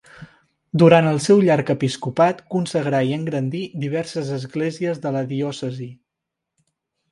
Durant el seu llarg episcopat consagrà i engrandí diverses esglésies de la diòcesi.